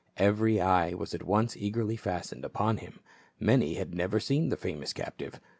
Every eye was at once eagerly fastened upon him. Many had never seen the famous captive.